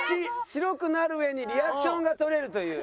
白くなるうえにリアクションが取れるという。